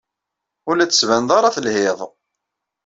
Ur la d-tettbaned ara telhid.